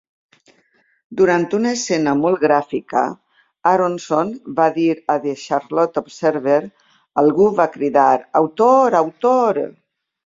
Durant una escena molt gràfica, Aronson va dir a "The Charlotte Observer", algú va cridar "Autor, autor!".